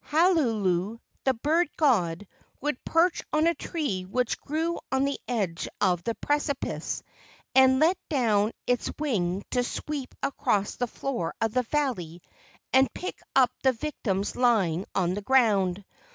Halulu, the bird god, would perch on a tree which grew on the edge of the precipice and let down its wing to sweep across the floor of the valley and pick up the victims lying on the ground.